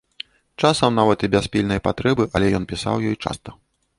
Часам нават і без пільнай патрэбы, але ён пісаў ёй часта.